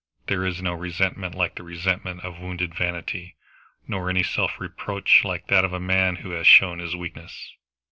There is no resentment like the resentment of wounded vanity, nor any self reproach like that of a man who has shown his weakness.